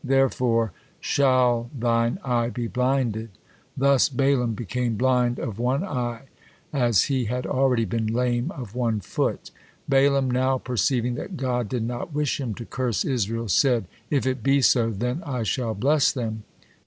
Therefore shall thine eye be blinded." Thus Balaam became blind of one eye, as he had already been lame of one foot. Balaam now perceiving that God did not wish him to curse Israel said, "If it be so, then I shall bless them."